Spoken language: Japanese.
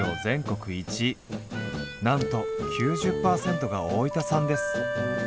なんと９０％が大分産です。